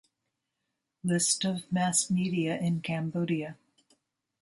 List of mass media in Cambodia